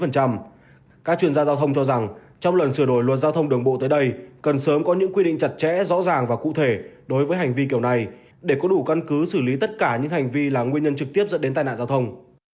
các chuyên gia giao thông cho rằng trong lần sửa đổi luật giao thông đường bộ tới đây cần sớm có những quy định chặt chẽ rõ ràng và cụ thể đối với hành vi kiểu này để có đủ căn cứ xử lý tất cả những hành vi là nguyên nhân trực tiếp dẫn đến tai nạn giao thông